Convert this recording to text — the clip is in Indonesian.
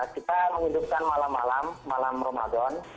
kita menghidupkan malam malam malam ramadan